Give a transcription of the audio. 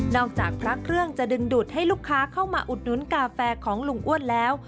จากพระเครื่องจะดึงดูดให้ลูกค้าเข้ามาอุดหนุนกาแฟของลุงอ้วนแล้ว